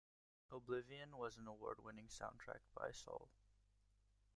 "Oblivion" was an award-winning soundtrack by Soule.